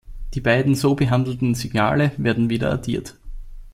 Die beiden so behandelten Signale werden wieder addiert.